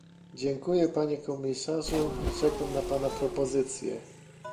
Dziękuję panie komisarzu i czekam na pana propozycję